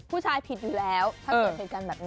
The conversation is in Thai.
ผู้ชายผิดอยู่แล้วถ้าเป็นใครกันแบบนี้